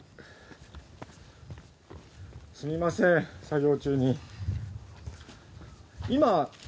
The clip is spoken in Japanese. すみません作業中に。